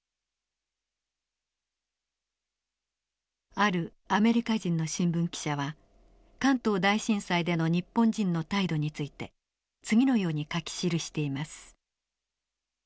あるアメリカ人の新聞記者は関東大震災での日本人の態度について次のように書き記しています。